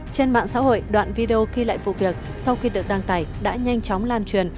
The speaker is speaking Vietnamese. trên mạng xã hội đoạn video ghi lại vụ việc sau khi được đăng tải đã nhanh chóng lan truyền